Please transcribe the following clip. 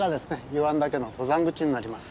湯湾岳の登山口になります。